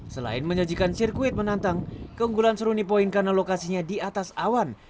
selain menyajikan sirkuit menantang keunggulan seruni point karena lokasinya di atas awan